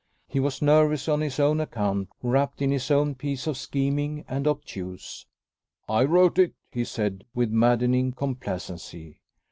He was nervous on his own account, wrapt in his own piece of scheming, and obtuse. "I wrote it," he said, with maddening complacency.